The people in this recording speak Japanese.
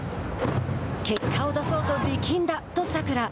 結果を出そうと力んだと佐倉。